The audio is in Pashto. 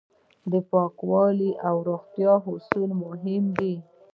د پاکوالي او روغتیا اصول مهم دي.